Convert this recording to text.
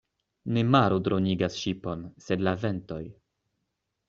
Ne maro dronigas ŝipon, sed la ventoj.